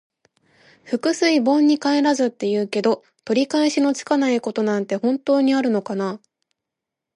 「覆水盆に返らず」って言うけど、取り返しのつかないことなんて本当にあるのかな。